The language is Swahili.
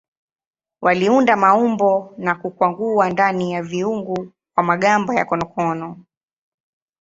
Waliunda maumbo na kukwangua ndani ya viungu kwa magamba ya konokono.